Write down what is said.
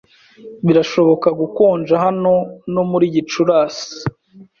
Birashobora gukonja hano no muri Gicurasi.